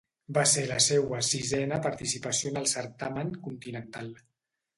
Va ser la seua sisena participació en el certamen continental.